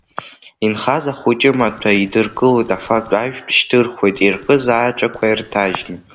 Инхаз ахәыҷымаҭәа еидыркылоит, афатә-ажәтә шьҭырхуеит, иркыз ааҵәақәа ирҭажьны.